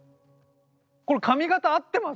これ髪形合ってます？